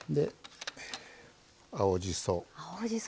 青じそ。